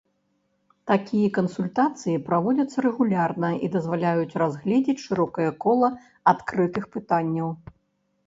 Такія кансультацыі праводзяцца рэгулярна і дазваляюць разгледзець шырокае кола адкрытых пытанняў.